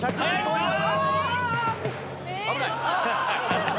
危ない！